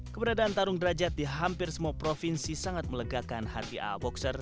keberadaan tarung derajat di hampir semua provinsi sangat melegakan hati a boxer